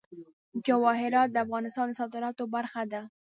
جواهرات د افغانستان د صادراتو برخه ده.